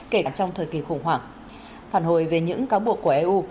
kể cả trong thời kỳ khủng hoảng phản hồi về những cáo buộc của eu